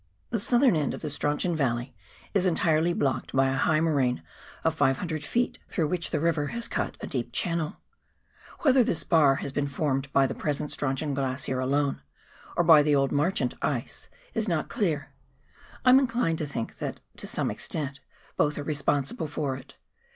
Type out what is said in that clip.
The southern end of the Strauchon Yalley is entirely blocked by a high moraine of 500 ft., through which the river has cut u 290 PIONEER WORK IN THE ALPS OF NEW ZEALAND. a deep channel. Whether this bar has been formed by the present Strauchon Glacier alone, or by the old Marchant ice, is not clear ; I am inclined to think that to some extent both are responsible for it.